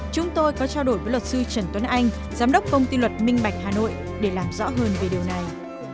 chúng tôi có trao đổi với luật sư trần tuấn anh giám đốc công ty luật minh bạch hà nội để làm rõ hơn về điều này